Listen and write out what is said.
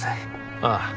ああ。